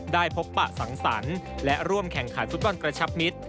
ได้พบปะสังสรรค์และร่วมแข่งขันฟุตบอลกระชับมิตร